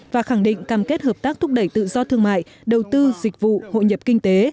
và khẳng định cam kết hợp tác thúc đẩy tự do thương mại đầu tư dịch vụ hội nhập kinh tế